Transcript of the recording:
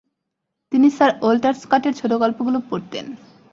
তিনি sir Walter স্কটের ছোটগল্পগুলো পড়তেন।